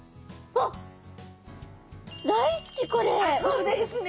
あそうですね。